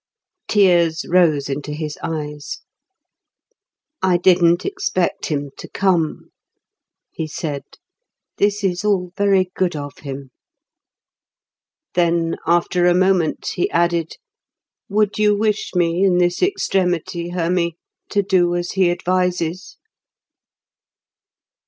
Tears rose into his eyes. "I didn't expect him to come," he said. "This is all very good of him." Then, after a moment, he added, "Would you wish me in this extremity, Hermy, to do as he advises?"